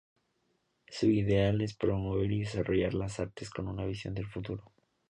Su ideal es promover y desarrollar las artes con una visión del futuro.